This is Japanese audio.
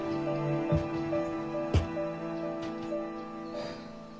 はあ。